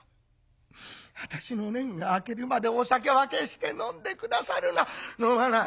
『私の年季が明けるまでお酒は決して飲んで下さるな』。